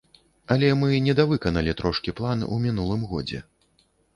Але мы недавыканалі трошкі план у мінулым годзе.